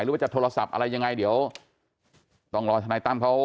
ว่าจะโทรศัพท์อะไรยังไงเดี๋ยวต้องรอธนายตั้มเขา